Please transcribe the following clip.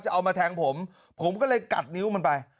เอามาแทงผมผมก็เลยกัดนิ้วมันไป